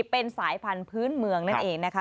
เป็นสายพันธุ์พื้นเมืองนั่นเองนะคะ